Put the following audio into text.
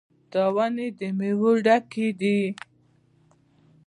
دا ونې د میوو ډکې دي.